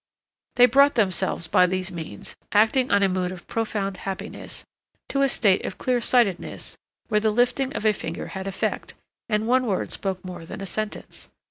They brought themselves by these means, acting on a mood of profound happiness, to a state of clear sightedness where the lifting of a finger had effect, and one word spoke more than a sentence.